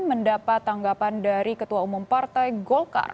mendapat tanggapan dari ketua umum partai golkar